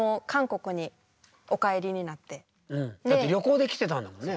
だって旅行で来てたんだもんね。